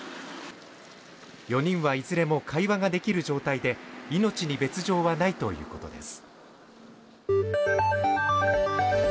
４人はいずれも会話ができる状態で命に別状はないということです